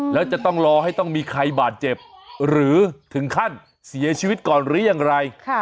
แล้วจะต้องรอให้ต้องมีใครบาดเจ็บหรือถึงขั้นเสียชีวิตก่อนหรือยังไร